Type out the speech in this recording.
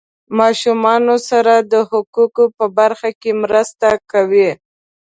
ماشومانو سره د حقوقو په برخه کې مرسته کوي.